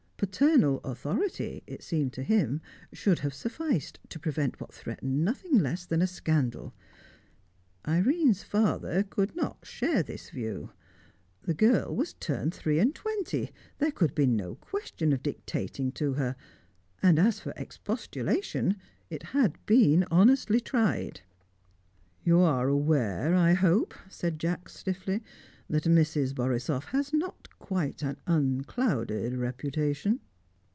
"Paternal authority," it seemed to him, should have sufficed to prevent what threatened nothing less than a scandal. Irene's father could not share this view; the girl was turned three and twenty; there could be no question of dictating to her, and as for expostulation, it had been honestly tried. "You are aware, I hope," said Jacks stiffly, "that Mrs. Borisoff has not quite an unclouded reputation?"